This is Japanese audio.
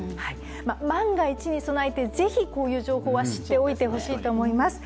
万が一に備えて、ぜひこういう情報は知っておいてほしいと思います。